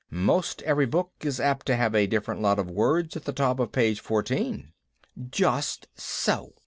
"'Most every book is apt to have a different lot of words at the top of page fourteen." "Just so!"